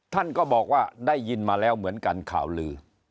ท่านก็บอกว่าได้ยินมาแล้วเหมือนกันข่าวลือ